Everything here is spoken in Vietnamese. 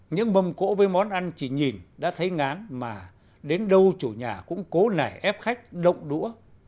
những mâm cỗ với món ăn chỉ nhìn đã thấy ngán mà đến đâu chủ nhà cũng cố nải ép khách động đũa